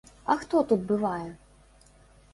А хто тут бывае?